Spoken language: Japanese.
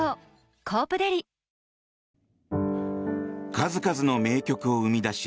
数々の名曲を生み出し